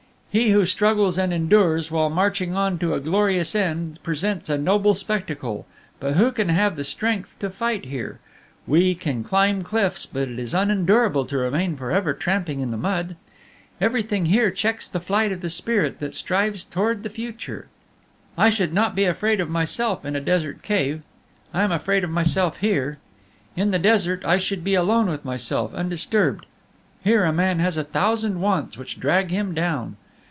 He who struggles and endures, while marching on to a glorious end, presents a noble spectacle; but who can have the strength to fight here? We can climb cliffs, but it is unendurable to remain for ever tramping the mud. Everything here checks the flight of the spirit that strives towards the future. "I should not be afraid of myself in a desert cave; I am afraid of myself here. In the desert I should be alone with myself, undisturbed; here man has a thousand wants which drag him down.